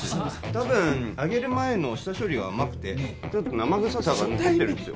多分揚げる前の下処理が甘くてちょっと生臭さが残ってるんですよ